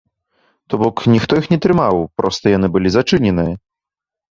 То бок, ніхто іх не трымаў, проста яны былі зачыненыя.